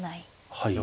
はい。